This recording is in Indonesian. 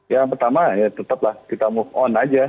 yang pertama ya tetap lah kita move on aja